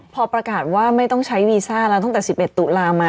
พอประกาศว่าไม่ต้องใช้วีซ่าแล้วตั้งแต่๑๑ตุลามา